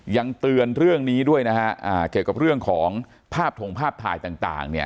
ยังเตือนเรื่องนี้ด้วยนะฮะเกี่ยวกับเรื่องของภาพถงภาพถ่ายต่างเนี่ย